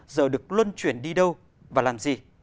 giờ được luân chuyển đi đâu và làm gì